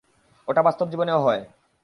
ওটা বাস্তব জীবনেও হয়।